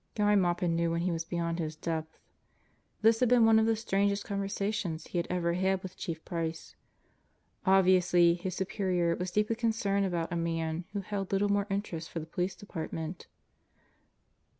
Guy Maupin knew when he was beyond his depth. This had been one of the strangest conversations he had ever had with Chief Price. Obviously, his superior was deeply concerned about a man who held little more interest for the Police Department.